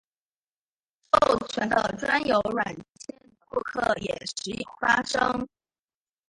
授权的专有软件的复刻也时有发生。